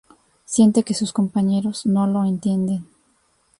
Siente que sus compañeros no lo entienden.